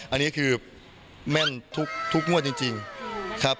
อันนี้คือแม่นทุกงวดจริงครับ